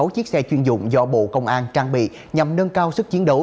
sáu chiếc xe chuyên dụng do bộ công an trang bị nhằm nâng cao sức chiến đấu